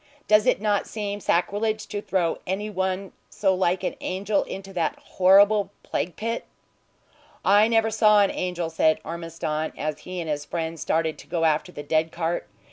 Does it not seem sacrilege to throw any one so like an angel into that horrible plague pit?" "I never saw an angel," said Ormiston, as he and his friend started to go after the dead cart.